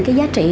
cái giá trị